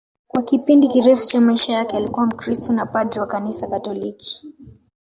Kwa kipindi kirefu cha maisha yake alikuwa Mkristo na padri wa Kanisa Katoliki